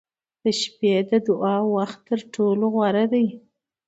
• د شپې د دعا وخت تر ټولو غوره دی.